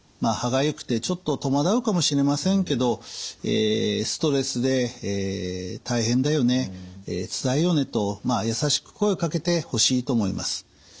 歯がゆくてちょっと戸惑うかもしれませんけどストレスで大変だよねつらいよねと優しく声をかけてほしいと思います。